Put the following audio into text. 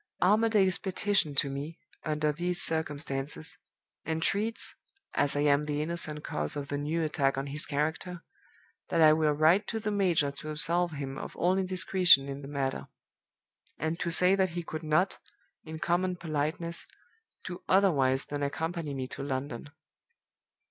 "Armadale's petition to me, under these circumstances, entreats (as I am the innocent cause of the new attack on his character) that I will write to the major to absolve him of all indiscretion in the matter, and to say that he could not, in common politeness, do otherwise than accompany me to London.